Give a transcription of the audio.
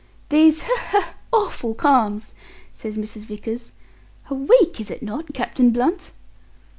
"These he, he! awful calms," says Mrs. Vickers. "A week, is it not, Captain Blunt?"